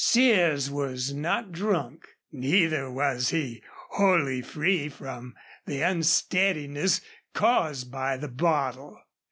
Sears was not drunk, neither was he wholly free from the unsteadiness caused by the bottle.